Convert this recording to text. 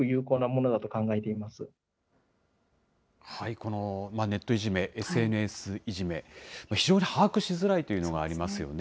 このネットいじめ、ＳＮＳいじめ、非常に把握しづらいというのがありますよね。